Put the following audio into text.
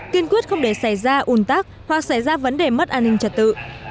kiên quyết không để xảy ra ủn tắc hoặc xảy ra vấn đề mất an ninh trật tự